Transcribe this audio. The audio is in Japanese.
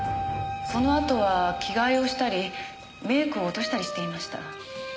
そのあとは着替えをしたりメークを落としたりしていました。